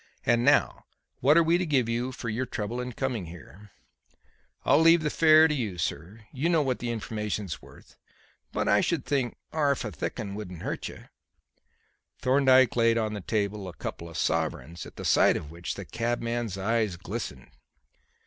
"And now what are we to give you for your trouble in coming here?" "I'll leave the fare to you, sir. You know what the information's worth; but I should think 'arf a thick un wouldn't hurt you." Thorndyke laid on the table a couple of sovereigns, at the sight of which the cabman's eyes glistened.